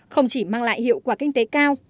không chỉ mang lại hiệu quả kinh tế cao